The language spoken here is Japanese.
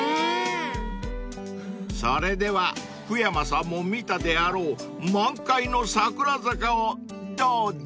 ［それでは福山さんも見たであろう満開のさくら坂をどうぞ］